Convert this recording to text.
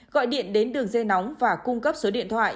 gọi điện đến đường dây nóng và cung cấp số điện thoại